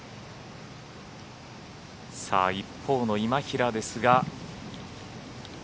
一方の今平ですが。